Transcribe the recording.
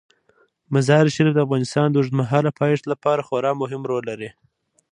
مزارشریف د افغانستان د اوږدمهاله پایښت لپاره خورا مهم رول لري.